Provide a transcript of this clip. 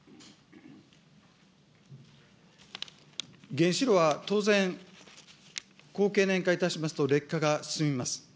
原子炉は当然、高経年化いたしますと、劣化が進みます。